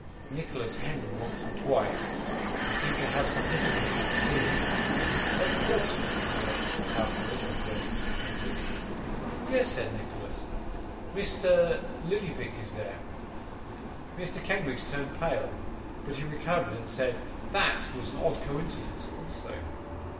Nicholas hemmed once or twice, and seemed to have some difficulty in proceeding. 'At Portsmouth, Henrietta Petowker is,' observed Mr. Kenwigs. 'Yes,' said Nicholas, 'Mr. Lillyvick is there.' Mr. Kenwigs turned pale, but he recovered, and said, THAT was an odd coincidence also.